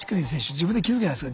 自分で気付くじゃないですか。